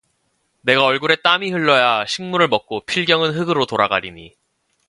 네가 얼굴에 땀이 흘러야 식물을 먹고 필경은 흙으로 돌아 가리니